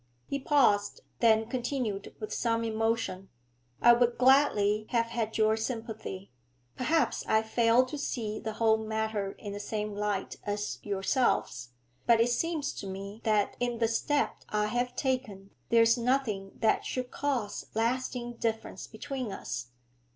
He paused, then continued with some emotion, 'I would gladly have had your sympathy. Perhaps I fail to see the whole matter in the same light as yourselves, but it seems to me that in the step I have taken there is nothing that should cause lasting difference between us.